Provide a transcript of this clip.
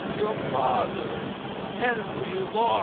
Your father, "HENRY LAURENS."